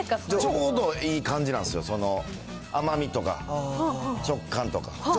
ちょうどいい感じなんですよ、甘みとか食感とか。